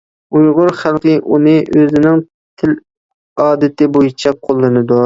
ئۇيغۇر خەلقى ئۇنى ئۆزىنىڭ تىل ئادىتى بويىچە قوللىنىدۇ.